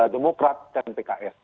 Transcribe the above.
demokrat dan pks